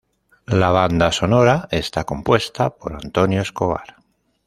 La banda sonora está compuesta por Antonio Escobar.